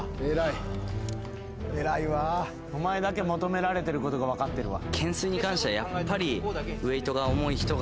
お前だけ求められてることが分かってるわ。